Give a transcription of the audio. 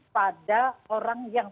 pada orang yang